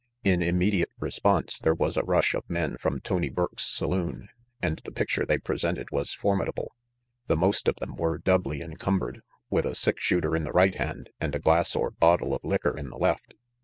In immediate response, there was a rush of men from Tony Burke's saloon, and the picture they presented was formidable. The most of them were doubly encumbered, with a six shooter in the right hand, and with a glass or bottle of liquor in the left.